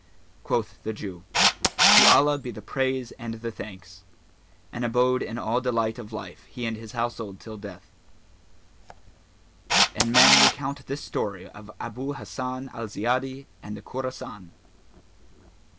Quoth the Jew, "To Allah be the praise and the thanks!" and abode in all delight of life he and his household till death. And men recount this story of ABU HASSAN AL ZIYADI AND THE KHORASAN.